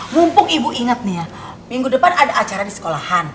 mumpung ibu ingat nih ya minggu depan ada acara di sekolahan